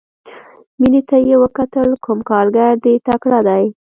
مينې ته يې وکتل کوم کارګر دې تکړه دى.